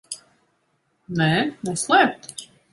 Nē? Neslēpt?